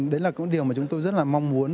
đấy là cũng điều mà chúng tôi rất là mong muốn